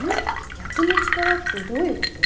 逆の力ってどういう事？